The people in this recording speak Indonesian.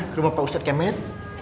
ke rumah pak ustadz kemen